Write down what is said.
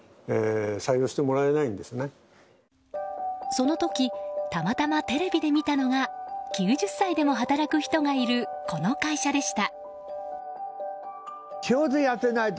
その時たまたまテレビで見たのが９０歳でも働く人がいるこの会社でした。